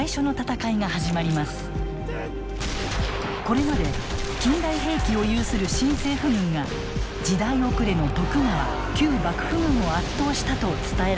これまで近代兵器を有する新政府軍が時代遅れの徳川旧幕府軍を圧倒したと伝えられてきました。